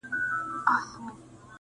بېګا خوب وینمه تاج پر سر پاچا یم,